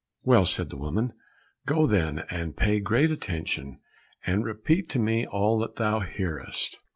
"Well," said the woman, "go, then, and pay great attention, and repeat to me all that thou hearest."